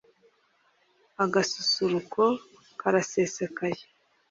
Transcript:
agasusuruko karasesekaye